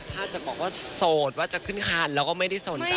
ถ้าจะบอกว่าโสดว่าจะขึ้นคันแล้วก็ไม่ได้สนใจ